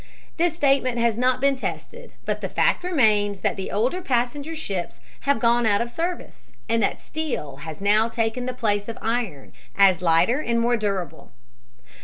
This statement has not been tested, but the fact remains that the older passenger ships have gone out of service and that steel has now taken the place of iron, as lighter and more durable.